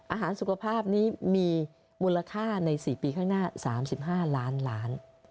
อาหารสุขภาพนี้มีมูลค่าใน๔ปีข้างหน้า๓๕ล้านล้าน